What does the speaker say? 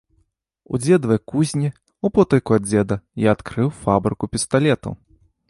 У дзедавай кузні, употайку ад дзеда, я адкрыў фабрыку пісталетаў.